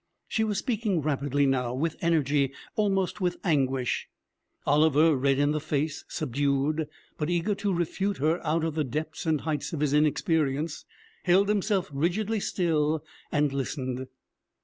She was speaking rapidly now, with energy, almost with anguish. Oliver, red in the face, subdued, but eager to refute her out of the depths and heights of his inexperience, held himself rigidly still and listened.